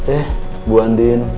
eh bu andin